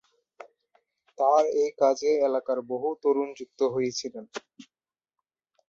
তার এ কাজে এলাকার বহু তরুণ যুক্ত হয়েছিলেন।